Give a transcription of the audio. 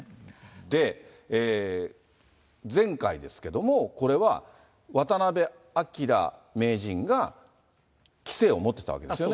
で、前回ですけども、これは渡辺明名人が棋聖を持ってたわけですよね。